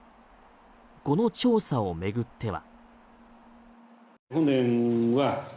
この調査を巡っては。